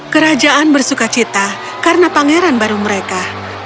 kerajaan bersuka cita karena pangeran baru mereka